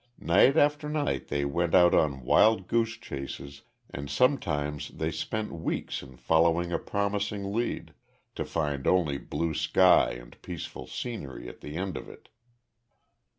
Night after night they went out on wild goose chases and sometimes they spent weeks in following a promising lead to find only blue sky and peaceful scenery at the end of it.